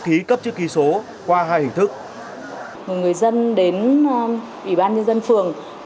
khí cấp chữ kỳ số cao